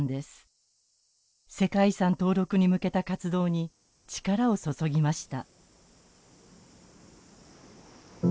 世界遺産登録に向けた活動に力を注ぎました。